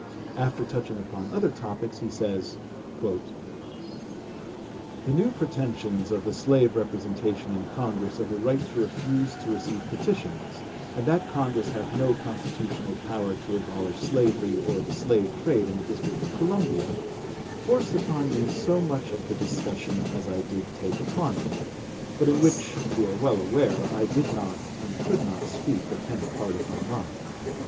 After touching upon other topics he says: "The new pretensions of the slave representation in Congress of a right to refuse to receive petitions, and that Congress have no constitutional power to abolish slavery or the slave trade in the District of Columbia, forced upon me so much of the discussion as I did take upon me, but in which you are well aware I did not and could not speak a tenth part of my mind.